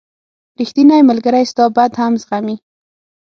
• ریښتینی ملګری ستا بد هم زغمي.